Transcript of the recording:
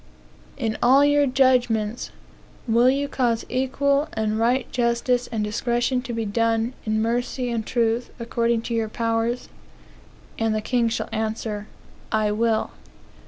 In all your judgments, will you cause equal and right justice and discretion to be done, in mercy and truth, according to your powers? (And the king shall answer,) I will.